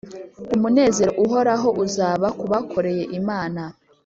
Umunezero uhoraho uzaba ku bakoreye Imana